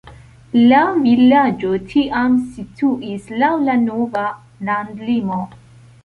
La vilaĝo tiam situis laŭ la nova landolimo.